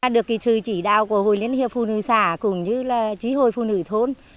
được kỳ trừ chỉ đạo của hội liên hiệp phụ nữ xã cùng với chí hội phụ nữ thôn